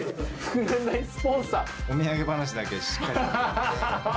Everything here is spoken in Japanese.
お土産話だけしっかり聞いて。